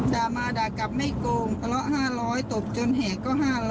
ด่ามาด่ากลับไม่โกงทะเลาะ๕๐๐ตบจนแหกก็๕๐๐